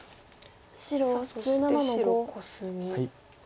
さあそして白コスミ。